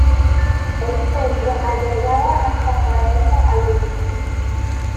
El centro albergaba hasta cuarenta alumnos.